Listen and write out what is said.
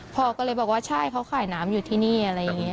พ่อก็เลยบอกว่าใช่เขาขายน้ำอยู่ที่นี่อะไรอย่างนี้